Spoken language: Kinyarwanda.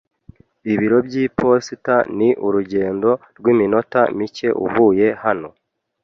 Ibiro by'iposita ni urugendo rw'iminota mike uvuye hano.